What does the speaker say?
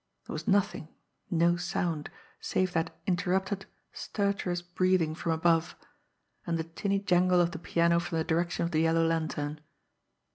There was nothing no sound save that interrupted, stertorous breathing from above, and the tinny jangle of the piano from the direction of "The Yellow Lantern."